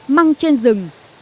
măng trên rừng